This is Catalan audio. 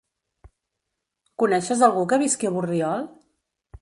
Coneixes algú que visqui a Borriol?